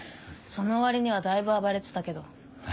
その割にはだいぶ暴れてたけど。